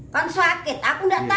kan sakit aku nggak tau